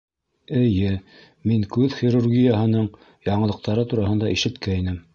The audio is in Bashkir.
Эйе, мин күҙ хирургияһының яңылыҡтары тураһында ишеткәйнем